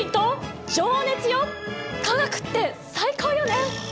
化学って最高よね！